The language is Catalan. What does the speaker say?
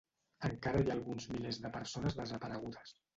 Encara hi ha alguns milers de persones desaparegudes.